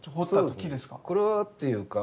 これはっていうか